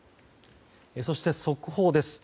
そして速報です。